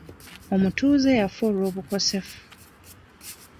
Omutuuze yafa olw'obukosefu.